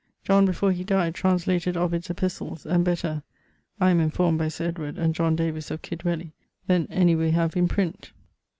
John, before he dyed, translated Ovid's Epistles, and better (I am informed, by Sir Edward, and John Davys of Kidwelly) then any we have in print.